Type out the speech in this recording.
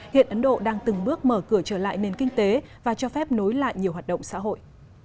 hiện ấn độ đang từng bước mở cửa trở lại nền kinh tế và cho phép nối lại nhiều hoạt động xã hội